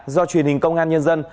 do truyền hình công an nhân dân